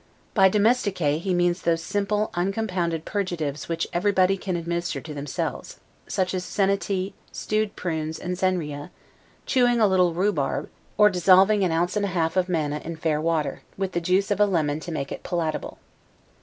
By 'domesticae', he means those simple uncompounded purgatives which everybody can administer to themselves; such as senna tea, stewed prunes and senria, chewing a little rhubarb, or dissolving an ounce and a half of manna in fair water, with the juice of a lemon to make it palatable.